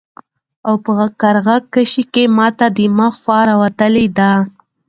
او په قرعه کشي کي ماته د مخ خوا راوتلي ده